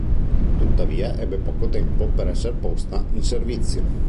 Tuttavia ebbe poco tempo per essere posta in servizio.